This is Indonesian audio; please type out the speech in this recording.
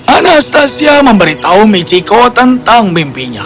anastasia memberitahu michiko tentang mimpinya